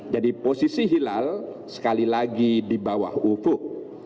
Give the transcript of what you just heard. jadi posisi hilal sekali lagi di bawah ufuk